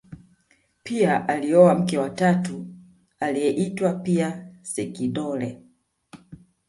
pia alioa mke wa tatu aliyeitwa pia sekindole